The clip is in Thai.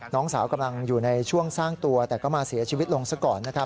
น้องสาวกำลังอยู่ในช่วงสร้างตัวแต่ก็มาเสียชีวิตลงซะก่อนนะครับ